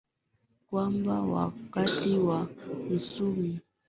maneno mazuri hiyo inamaanisha kwamba wakati wa msimu